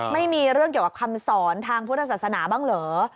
ไม่มีเรื่องเกี่ยวกับคำสอนทางพุทธศาสนาบ้างเหรอ